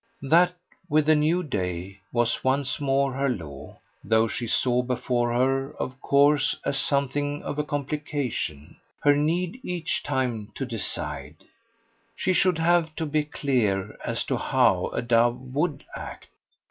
That, with the new day, was once more her law though she saw before her, of course, as something of a complication, her need, each time, to decide. She should have to be clear as to how a dove WOULD act.